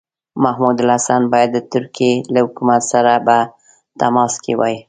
محمودالحسن باید د ترکیې له حکومت سره په تماس کې وای.